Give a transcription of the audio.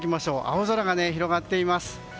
青空が広がっています。